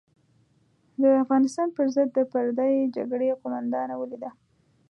د افغانستان پر ضد د پردۍ جګړې قومانده ولیده.